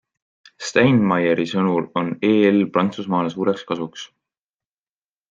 Steinmeieri sõnul on EL Prantsusmaale suureks kasuks.